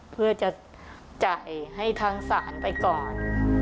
เพื่อจะจ่ายให้ทางศาลไปก่อน